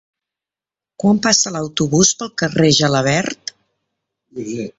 Quan passa l'autobús pel carrer Gelabert?